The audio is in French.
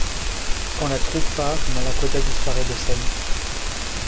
Quand la troupe part Malacoda disparaît de scène.